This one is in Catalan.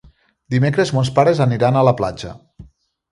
Dimecres mons pares aniran a la platja.